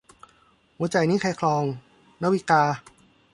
หัวใจนี้ใครครอง - นาวิกา